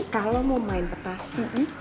kalau mau main petasan